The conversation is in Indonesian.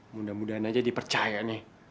mudah mudahan aja dipercaya nih